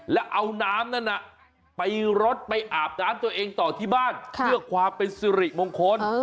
แล้วเอาน้ำนั้นไปรดไปอาบน้ำตัวเองต่อที่บ้านเพื่อความเป็นสิริมงคล